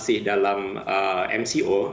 masih dalam mco